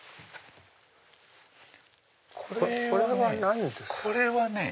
これは何です？